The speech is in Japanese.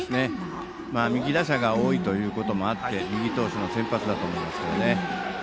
右打者が多いということもあって右投手の先発だと思いますね。